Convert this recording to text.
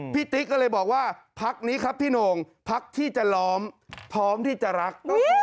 ติ๊กก็เลยบอกว่าพักนี้ครับพี่โหน่งพักที่จะล้อมพร้อมที่จะรัก